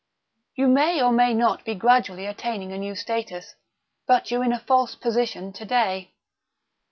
"You may or may not be gradually attaining a new status, but you're in a false position to day."